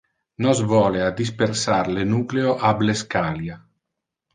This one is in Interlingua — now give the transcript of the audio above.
Nos vole a dispersar le nucleo ab le scalia.